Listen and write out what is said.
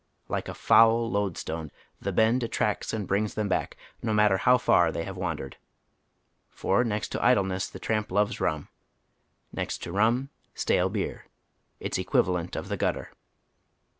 Like a foul loadstone, "the Bend" attracts and brings them back, no matter how far tiiey have wandered. For next to idleness the tramp loves rum ; next to rnm stale beer, its eqnivalerit of the gutter.